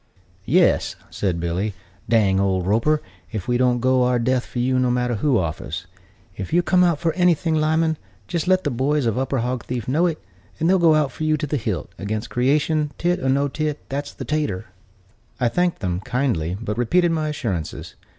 "Yes," said Billy, "dang old Roper if we don't go our death for you, no matter who offers. If ever you come out for anything, Lyman, jist let the boys of Upper Hogthief know it, and they'll go for you to the hilt, against creation, tit or no tit, that's the tatur." I thanked them, kindly, but repeated my assurances.